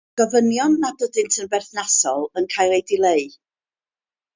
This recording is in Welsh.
Mae gofynion nad ydynt yn berthnasol yn cael eu dileu.